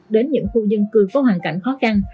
đến những khu dân cư có hoàn cảnh khó khăn